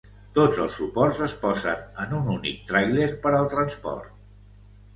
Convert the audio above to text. Tots els suports es posen en un únic tràiler per al transport.